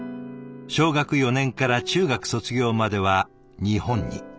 小学４年から中学卒業までは日本に。